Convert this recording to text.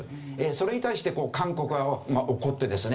それに対して韓国側は怒ってですね